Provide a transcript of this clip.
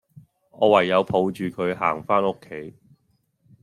我唯有抱住佢行返屋企